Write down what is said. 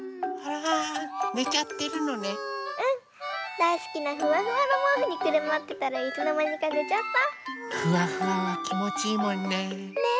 だいすきなフワフワのもうふにくるまってたらいつのまにかねちゃった。フワフワはきもちいいもんね。ねぇ。